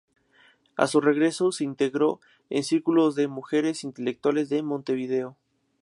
A su regreso, se integró en círculos de mujeres intelectuales de Montevideo.